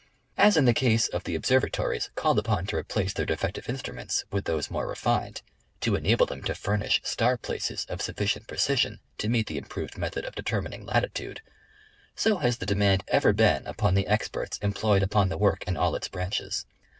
As in the case of the observatories called upon to replace their defective instruments with those more refined, to enable them to furnish star places of suflicient precision to meet the improved method of determining latitude, so has the demand ever been upon the experts employed upon the work in all its branches.